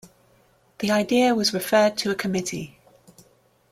The idea was referred to a committee.